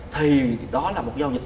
thì đó là một giao dịch